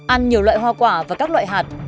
ăn nhiều loại hoa quả và các loại hạt